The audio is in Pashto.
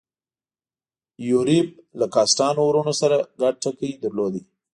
یوریب له کاسټانو وروڼو سره ګډ ټکی درلود.